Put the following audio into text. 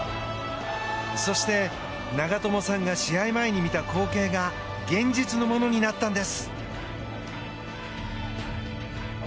そして、長友さんが試合前に見た光景が現実のものになったんです。